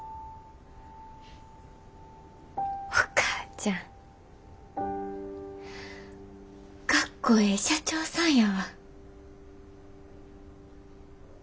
お母ちゃんかっこええ社長さんやわ。